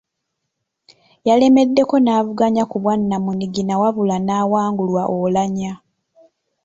Yalemeddeko n’avuganya ku bwannamunigina wabula n’awangulwa Oulanyah.